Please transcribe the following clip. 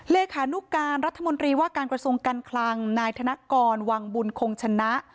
เลขานุการรัฐมนตรีว่าการกระทรวงการคลังนายธนกรวังบุญคงชนะ